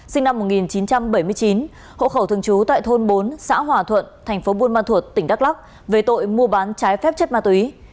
sinh năm một nghìn chín trăm bảy mươi chín hộ khẩu thường trú tại thôn bốn xã hòa thuận thành phố buôn ma thuột tỉnh đắk lắc về tội mua bán trái phép chất ma túy